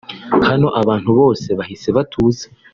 Hano abantu bose bahise batuza